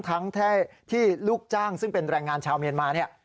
ทั้งที่ลูกจ้างซึ่งเป็นแรงงานชาวเมียนมาเนี่ย